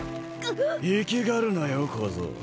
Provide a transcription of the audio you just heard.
粋がるなよ小僧